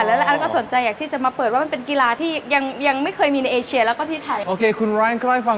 แล้วรายอันก็สนใจอยากที่จะมาเปิดว่ามันเป็นกีฬาที่ยังไม่เคยมีในเอเชียแล้วก็ที่ไทย